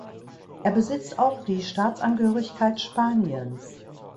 Er besitzt auch die Staatsangehörigkeit Spaniens.